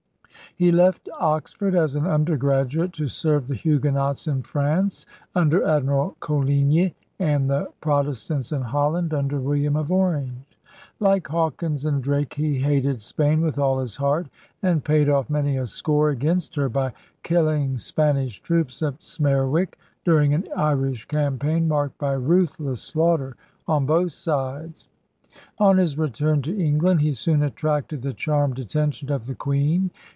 He left Oxford as an undergraduate to serve the Huguenots in France under Admiral Coligny and the Protestants in Holland under William of Orange. Like Hawkins and Drake, he hated Spain with all his heart and paid off many a score against her by killing Spanish troops at Smerwick during an Irish campaign marked by ruthless slaughter on both sides. On his return to England he soon attracted the charmed attention of the queen.